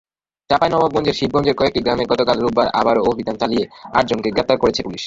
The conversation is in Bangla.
চাঁপাইনবাবগঞ্জের শিবগঞ্জের কয়েকটি গ্রামে গতকাল রোববার আবারও অভিযান চালিয়ে আটজনকে গ্রেপ্তার করেছে পুলিশ।